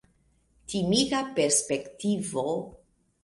Timiga perspektivo!